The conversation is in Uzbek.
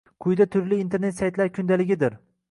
Quyida turli internet saytlar kundaligidir.